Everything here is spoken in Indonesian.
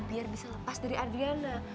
biar bisa lepas dari adriana